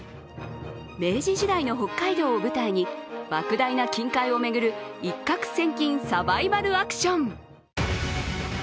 明治時代の北海道を舞台にばく大な金塊を巡る一攫千金サバイバルアクション。